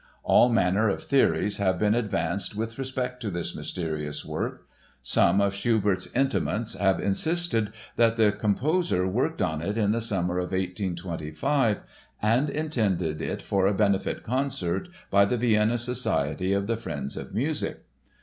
All manner of theories have been advanced with respect to this mysterious work. Some of Schubert's intimates have insisted that the composer worked on it in the summer of 1825 and intended it for a benefit concert by the Vienna Society of the Friends of Music.